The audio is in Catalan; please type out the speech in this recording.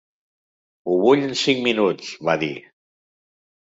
"Ho vull en cinc minuts," va dir.